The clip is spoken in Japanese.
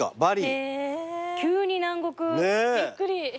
急に南国。びっくり。